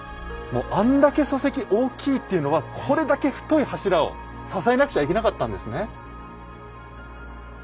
あんだけ礎石大きいっていうのはこれだけ太い柱を支えなくちゃいけなかったんですね。